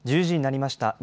１０時になりました。